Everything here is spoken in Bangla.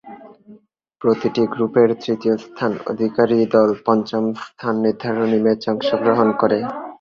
প্রতিটি গ্রুপের তৃতীয় স্থান অধিকারী দল পঞ্চম স্থান নির্ধারণী ম্যাচে অংশগ্রহণ করে।